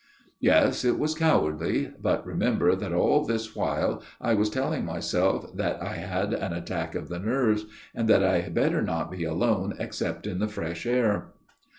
Yes, it was cowardly ; but remember that all this while I was telling myself that I had an attack of the nerves, and that I had better not be alone except in the fresh air.